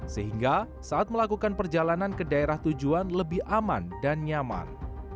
sehingga saat melakukan perjalanan ke daerah tujuan lebih aman dan nyaman